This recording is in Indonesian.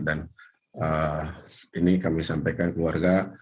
dan ini kami sampaikan keluarga